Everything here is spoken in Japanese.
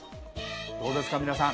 どうですか皆さん。